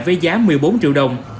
với giá một mươi bốn triệu đồng